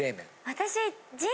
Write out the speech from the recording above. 私。